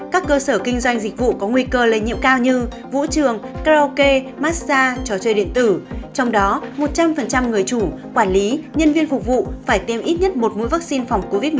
karaoke massage trò chơi điện tử trong đó một trăm linh người chủ quản lý nhân viên phục vụ phải tiêm ít nhất một mũi vaccine phòng covid một mươi chín